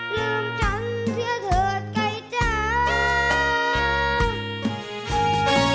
ลืมฉันเที่ยวเถิดไก่จ้า